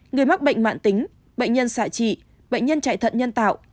người mắc bệnh mạng tính bệnh nhân xạ trị bệnh nhân chạy thận nhân tạo